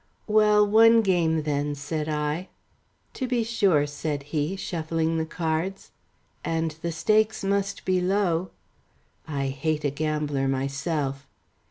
"Well, one game then," said I. "To be sure," said he, shuffling the cards. "And the stakes must be low." "I hate a gambler myself."